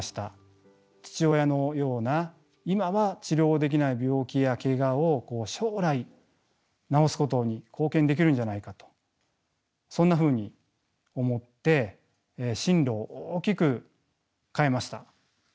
父親のような今は治療できない病気やけがを将来治すことに貢献できるんじゃないかとそんなふうに思って進路を大きく変えました。